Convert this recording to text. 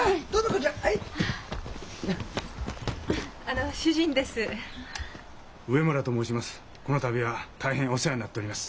この度は大変お世話になっております。